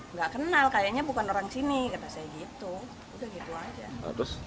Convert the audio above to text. nggak kenal kayaknya bukan orang sini kata saya gitu udah gitu aja